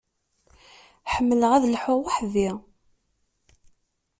Ḥemmleɣ ad lḥuɣ weḥd-i.